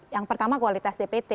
yang pertama kualitas dpt